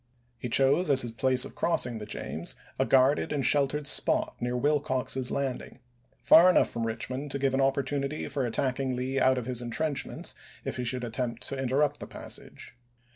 He chose, as his place of crossing the James, a guarded and sheltered spot near Wilcox's landing ; far enough from Eichmond to give an op portunity for attacking Lee out of his intrenchments if he should attempt to interrupt the passage.